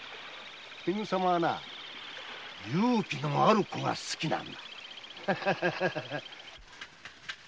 天狗様は勇気のある子が好きなんだ。